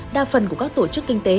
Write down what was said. đa phần của các tổ chức kinh tế